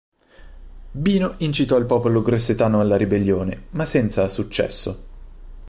Bino incitò il popolo grossetano alla ribellione, ma senza successo.